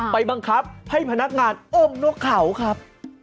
บังคับให้พนักงานอมนกเขาครับ